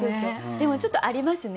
でもちょっとありますね。